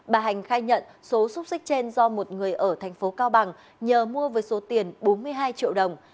bà hành khai nhận số xúc xích trên do một người ở thành phố cao bằng nhờ mua với số tiền bốn mươi hai triệu đồng